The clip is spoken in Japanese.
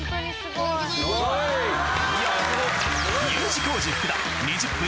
Ｕ字工事・福田